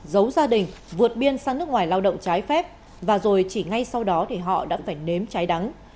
giấu gia đình vượt biên sang nước ngoài lao động trái phép và rồi chỉ ngay sau đó thì họ đã phải nếm trái đắng